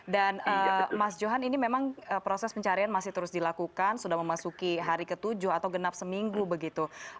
dan mas johan ini memang proses pencarian masih terus dilakukan sudah memasuki hari ke tujuh atau genap seminggu begitu